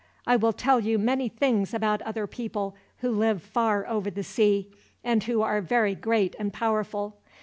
I will tell you many things about other people, who live far over the sea, and who are very great and powerful.